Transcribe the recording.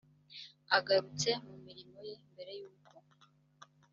agarutse mu mirimo ye mbere y uko